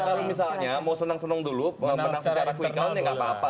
kalau misalnya mau senang senang dulu menang secara kwi count nya nggak apa apa